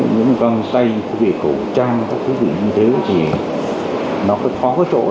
những cơ quan tay quốc gia cầu trang các quốc gia như thế thì nó có khó có chỗ